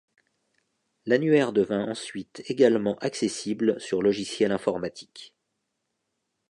L’annuaire devint ensuite également accessible sur logiciel informatique.